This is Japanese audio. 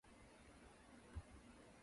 この香水はへんに酢くさい、どうしたんだろう